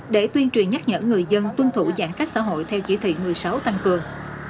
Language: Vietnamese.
để tuyên truyền nhắc nhở người dân tuân thủ giãn cách xã hội theo chỉ thị một mươi sáu tăng cường